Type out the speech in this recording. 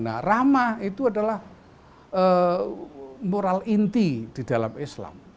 nah ramah itu adalah moral inti di dalam islam